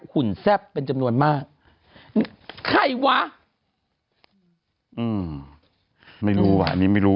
หุ่นแซ่บเป็นจำนวนมากใครวะอืมไม่รู้ว่ะอันนี้ไม่รู้